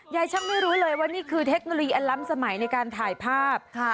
ช่างไม่รู้เลยว่านี่คือเทคโนโลยีอันล้ำสมัยในการถ่ายภาพ